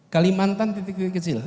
kalimantan titik titik kecil